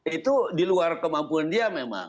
itu diluar kemampuan dia memang